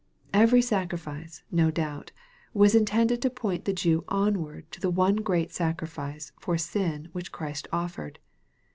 Every sacrifice, no doubt, was intended to point the Jew onward to the one great sac rifice for sin which Christ offered.